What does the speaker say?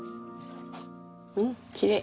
うんきれい。